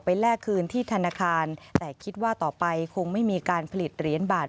แลกคืนที่ธนาคารแต่คิดว่าต่อไปคงไม่มีการผลิตเหรียญบาท